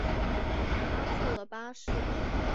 搭错了巴士